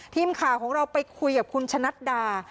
ทีมข่าวของเราไปคุยกับคุณชะนัดดา